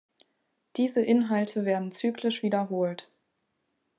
Diese Inhalte werden zyklisch wiederholt.